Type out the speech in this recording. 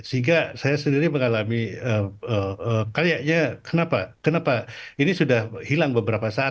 sehingga saya sendiri mengalami kayaknya kenapa kenapa ini sudah hilang beberapa saat